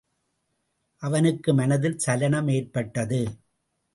அவனுக்கு மனத்தில் சலனம் ஏற்பட்டது.